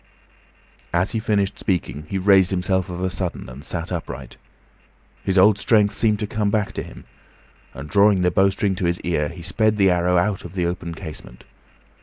As he finished speaking, he raised himself of a sudden and sat upright. His old strength seemed to come back to him, and, drawing the bowstring to his ear, he sped the arrow out of the open casement.